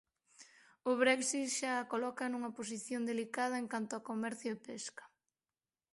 O Brexit xa a coloca nunha posición delicada en canto a comercio e pesca.